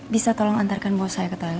bisa tolong antarkan buah saya ke toilet